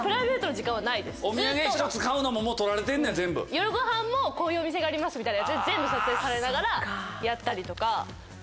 夜ごはんもこういうお店がありますみたいなやつで全部撮影されながらやったりとか。